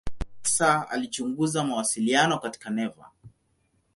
Hasa alichunguza mawasiliano katika neva.